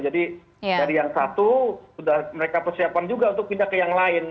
jadi dari yang satu sudah mereka persiapan juga untuk pindah ke yang lain